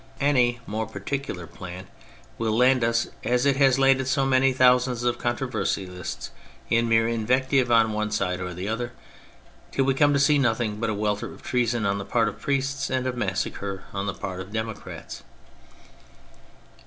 Any more particular plan will land us, as it has landed so many thousands of controversialists, in mere invective on one side or the other, till we come to see nothing but a welter of treason on the part of priests, and of massacre upon the part of democrats.